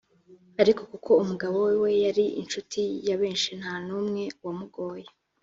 ariko kuko umugabo we yari inshuti ya benshi nta n’umwe wamugoye